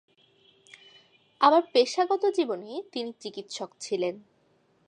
আবার পেশাগত জীবনে তিনি চিকিৎসক ছিলেন।